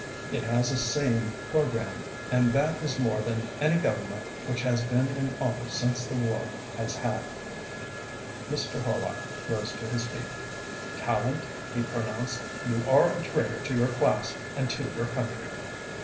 It has a sane programme, and that is more than any Government which has been in office since the war has had." Mr. Horlock rose to his feet. "Tallente," he pronounced, "you are a traitor to your class and to your country."